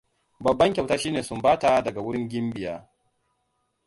Babban kyauta shine sumbata daga wurin gimbiya.